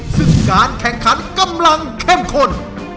ซึ่งการแข่งขันกำลังเข้มข้น